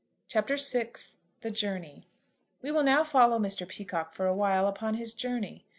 CHAPTER VI. THE JOURNEY. WE will now follow Mr. Peacocke for a while upon his journey.